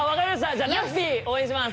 じゃあ、ラッピー応援します。